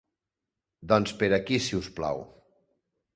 Doncs per aquí si us plau.